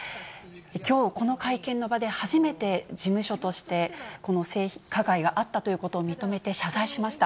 きょうこの会見の場で初めて事務所として、この性加害はあったということを認めて謝罪しました。